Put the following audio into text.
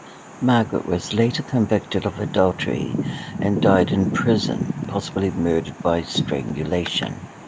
Margaret was later convicted of adultery and died in prison, possibly murdered by strangulation.